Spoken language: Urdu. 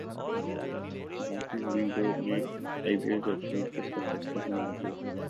بھارتی سپریم کورٹ نے I P L corruption case کا فیصلہ سنادیا